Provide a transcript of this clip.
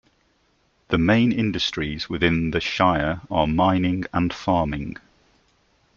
The main industries within the Shire are mining and farming.